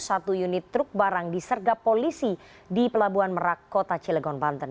satu unit truk barang disergap polisi di pelabuhan merak kota cilegon banten